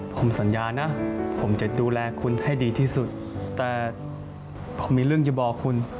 ผมสัญญานะผมจะดูแลคุณให้ดีที่สุดแต่ผมมีเรื่องจะบอกคุณ